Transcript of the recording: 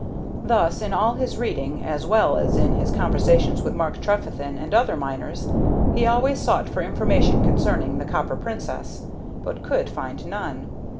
Thus, in all his reading, as well as in his conversations with Mark Trefethen and other miners, he always sought for information concerning the Copper Princess, but could find none.